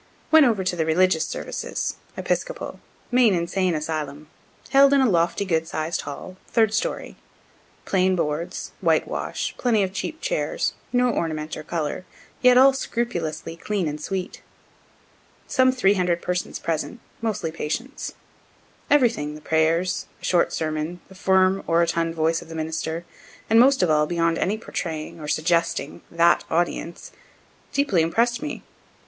Went over to the religious services (Episcopal) main Insane asylum, held in a lofty, good sized hall, third story. Plain boards, whitewash, plenty of cheap chairs, no ornament or color, yet all scrupulously clean and sweet. Some three hundred persons present, mostly patients. Everything, the prayers, a short sermon, the firm, orotund voice of the minister, and most of all, beyond any portraying, or suggesting, that audience, deeply impress'd me.